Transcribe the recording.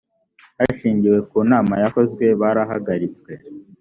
hashingiwe ku nama yakozwe barahagaritswe